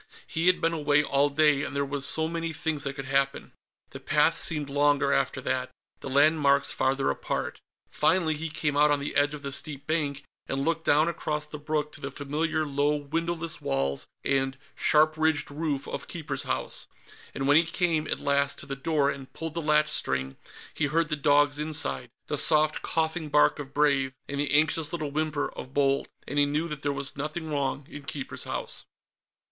He had been away all day, and there were so many things that could happen. The path seemed longer, after that; the landmarks farther apart. Finally, he came out on the edge of the steep bank, and looked down across the brook to the familiar low windowless walls and sharp ridged roof of Keeper's House; and when he came, at last, to the door, and pulled the latchstring, he heard the dogs inside the soft, coughing bark of Brave, and the anxious little whimper of Bold and he knew that there was nothing wrong in Keeper's House.